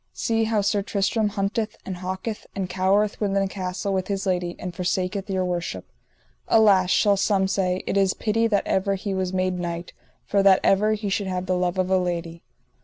See how Sir Tristram hunteth, and hawketh, and cowereth within a castle with his lady, and forsaketh your worship. Alas, shall some say, it is pity that ever he was made knight, or that ever he should have the love of a lady.